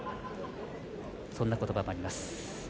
そんなことばがあります。